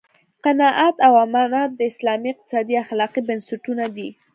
قناعت او امانت د اسلامي اقتصاد اخلاقي بنسټونه دي.